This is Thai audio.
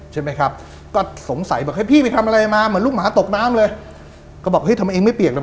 ใช่ไหมครับก็สงสัยบอกให้พี่ไปทำอะไรมาเหมือนลูกหมาตกน้ำเลยก็บอกเฮ้ยทำไมเองไม่เปียกเลย